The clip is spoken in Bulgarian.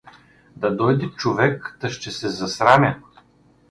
Да дойде човек, та ще се засрамя.